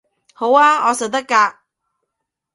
好吖，我實得㗎